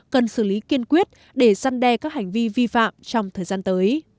cần xử lý kiên quyết để săn đe các hành vi vi phạm trong thời gian tới